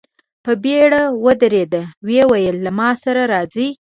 په بېړه ودرېد، ويې ويل: له ما سره راځئ!